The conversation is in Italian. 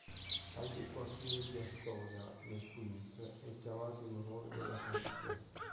Anche il quartiere di Astoria nel Queens, è chiamato in onore della famiglia.